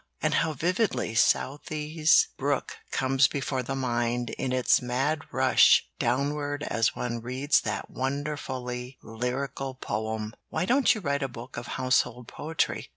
And how vividly Southey's brook comes before the mind in its mad rush downward as one reads that wonderfully lyrical poem. Why don't you write a book of household poetry?